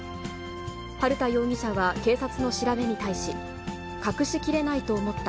春田容疑者は警察の調べに対し、隠しきれないと思った。